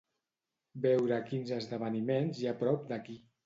Veure quins esdeveniments hi ha prop d'aquí.